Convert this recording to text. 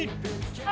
あ！